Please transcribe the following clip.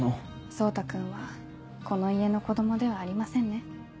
蒼汰君はこの家の子供ではありませんね？